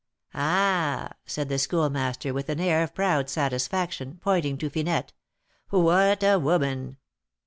"Ah!" said the Schoolmaster, with an air of proud satisfaction, pointing to Finette, "what a woman!"